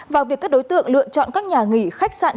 vào việc các đối tượng lựa chọn các nhà nghỉ khách sạn